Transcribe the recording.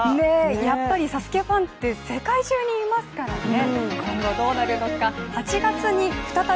やっぱり「ＳＡＳＵＫＥ」ファンって、世界中にいますからね。